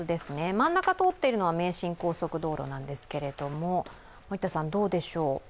真ん中通っているのは名神高速道路なんですけれども、どうでしょう？